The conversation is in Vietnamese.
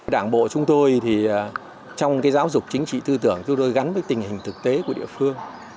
đảng bộ chúng tôi trong giáo dục chính trị tư tưởng chúng tôi gắn với tình hình thực tế của địa phương